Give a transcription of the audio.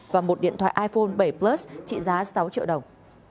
và một điện thoại iphone bảy plus trị giá sáu triệu đồng